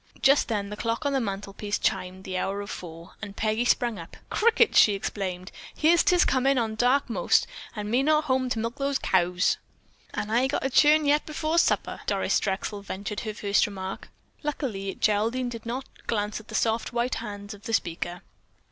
Just then the clock on the mantelpiece chimed the hour of four, and Peggy sprang up. "Crickets!" she exclaimed, "Here 'tis comin' on dark most, and me not home to milk the caows." "An' I've got to churn yet before supper," Doris Drexel ventured her first remark. Luckily Geraldine did not glance at the soft, white hands of the speaker.